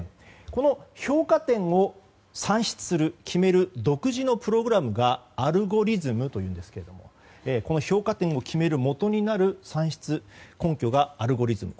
この評価点を算出する独自のプログラムがアルゴリズムというんですがこの評価点を決めるもとになる算出、根拠がアルゴリズム。